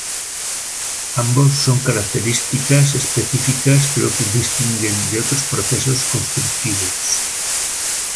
Ambos con características específicas que lo distinguen de otros procesos constructivos.